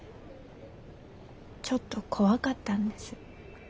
ちょっと怖かったんです。